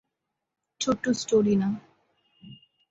ছোট্টো স্টোরি না।